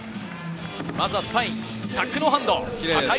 まずはスパイン、タックノーハンド。